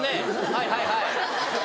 はいはいはい！